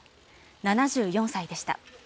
７４歳でした。